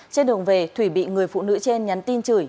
trên đường về thủy bị người phụ nữ trên nhắn tin chửi